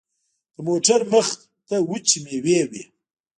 د موټر مخته وچې مېوې وې.